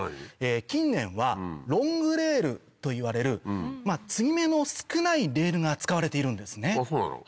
近年はロングレールといわれる継ぎ目の少ないレールが使われているんですね。